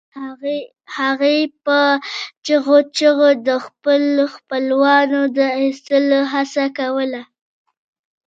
هغې په چیغو چیغو د خپلو خپلوانو د ایستلو هڅه کوله